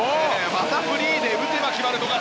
またフリーで打てば決まる富樫！